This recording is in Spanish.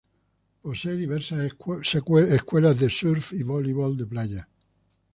Posee diversas escuelas de surf y voleibol de playa.